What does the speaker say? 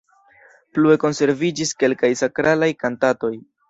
Plue konserviĝis kelkaj sakralaj kantatoj.